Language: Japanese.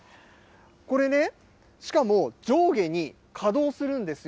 これね、しかも上下に可動するんですよ。